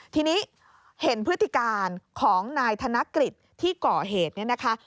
ทีนี้เห็นพฤติการของนายธนกฤษที่ก่อเหตุเนี่ยนะคะ